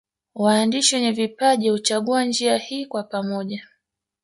Waandishi wenye vipaji huchagua njia hii kwa pamoja